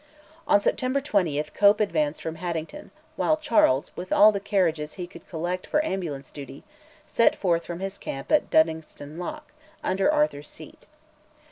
On September 20 Cope advanced from Haddington, while Charles, with all the carriages he could collect for ambulance duty, set forth from his camp at Duddingston Loch, under Arthur's Seat.